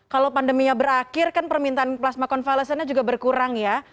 kalau pandeminya berakhir kan permintaan plasma konvalesennya juga berkurang ya